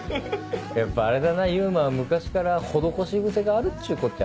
やっぱあれだな勇馬は昔から施し癖があるっちゅうこっちゃな。